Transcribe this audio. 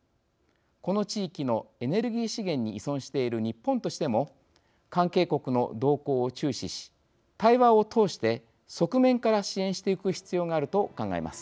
この地域のエネルギー資源に依存している日本としても関係国の動向を注視し対話を通して側面から支援してゆく必要があると考えます。